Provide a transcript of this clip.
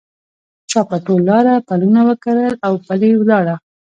چا په ټول لاره پلونه وکرل اوپلي ولاړه